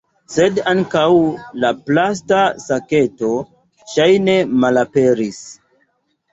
Sed ankaŭ la plasta saketo ŝajne malaperis.